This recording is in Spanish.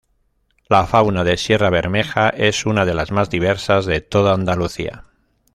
La fauna de Sierra Bermeja es una de las más diversas de toda Andalucía.